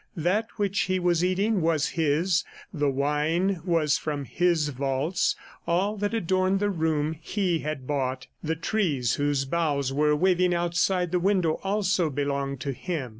That which he was eating was his, the wine was from his vaults; all that adorned the room he had bought: the trees whose boughs were waving outside the window also belonged to him.